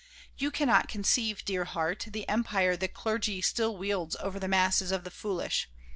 You cannot conceive, dear heart, the empire the clergy still wields over the masses of the foolish